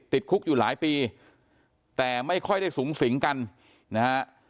ติดคุกอยู่หลายปีแต่ไม่ค่อยได้สูงสิงกันนะฮะ